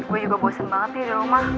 gue juga bosen banget ya udah rumah